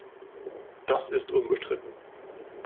Das ist unbestritten.